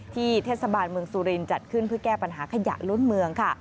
เทศบาลเมืองสุรินจัดขึ้นเพื่อแก้ปัญหาขยะล้นเมืองค่ะ